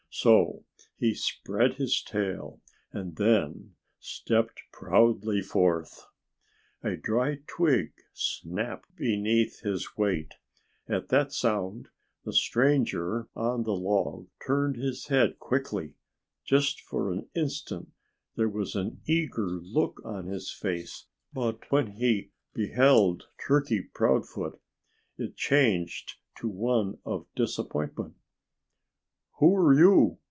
So he spread his tail and then stepped proudly forth. A dry twig snapped beneath his weight. At that sound the stranger on the log turned his head quickly. Just for an instant there was an eager look on his face. But when he beheld Turkey Proudfoot it changed to one of disappointment. "Who are you?"